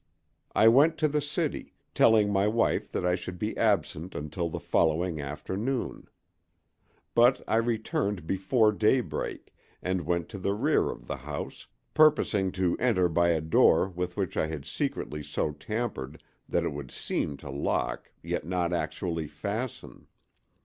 I went to the city, telling my wife that I should be absent until the following afternoon. But I returned before daybreak and went to the rear of the house, purposing to enter by a door with which I had secretly so tampered that it would seem to lock, yet not actually fasten.